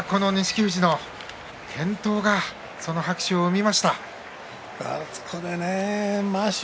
富士の健闘がその拍手を生みました。